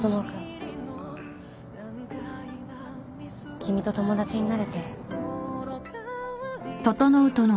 君と友達になれて。